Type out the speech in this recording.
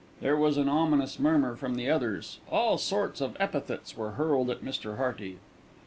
There was an ominous murmur from the others. All sorts of epithets were hurled at Mr. Hearty.